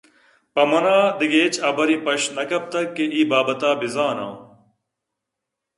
پہ من دگہ ہچ حبرے پشت نہ کپتگ کہ اے بابتءَ بہ زاناں